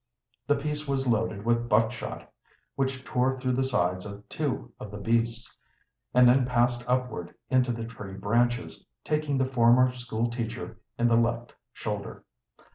The piece was loaded with buckshot, which tore through the sides of two of the beasts, and then passed upward into the tree branches, taking the former school teacher in the left shoulder.